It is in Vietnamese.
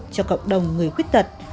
cho cộng đồng người khuyết tật